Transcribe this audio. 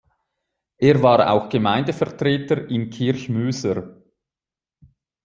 Er war auch Gemeindevertreter in Kirchmöser.